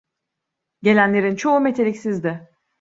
Gelenlerin çoğu meteliksizdi.